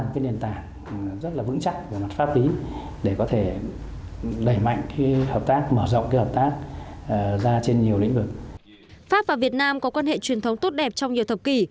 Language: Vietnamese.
pháp và việt nam có quan hệ truyền thống tốt đẹp trong nhiều thập kỷ